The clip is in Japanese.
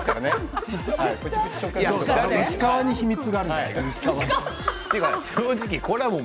薄皮に秘密があるんじゃ